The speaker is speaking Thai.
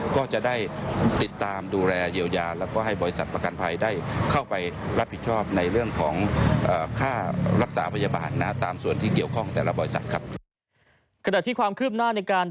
ก็จะได้ติดตามดูแลเยียวยาแล้วก็ให้บริษัทประกันภัยได้เข้าไปรับผิดชอบในเรื่องของค่ารักษาพยาบาลนะฮะตามส่วนที่เกี่ยวข้องแต่ละบริษัทครับ